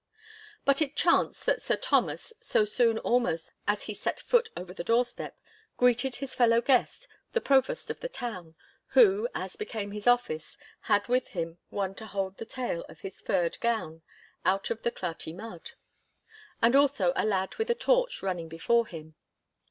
But it chanced that Sir Thomas, so soon almost as he set foot over the doorstep, greeted his fellow guest, the Provost of the town—who, as became his office, had with him one to hold the tail of his furred gown out of the clarty mud, and also a lad with a torch running before him.